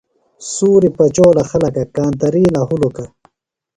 سُوری پچولہ خلکہ، کانترِیلہ ہُلُکہ